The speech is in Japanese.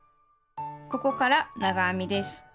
ここから長編みです。